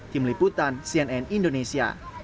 tim liputan cnn indonesia